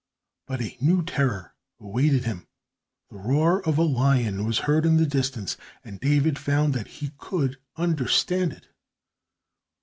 But a new terror awaited him. The roar of a lion was heard in the distance, and David found that he could understand it.